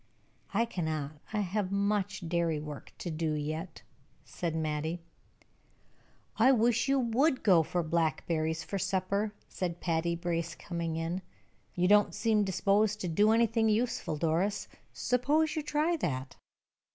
"I cannot. I have much dairy work to do yet," said Mattie. "I wish you would go for blackberries for supper," said Patty Brace, coming in. "You don't seem disposed to do anything useful, Doris suppose you try that."